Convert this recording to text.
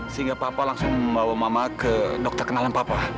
sehingga papa langsung membawa mama ke dokter kenalan papa